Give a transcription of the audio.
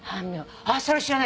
あっそれ知らない。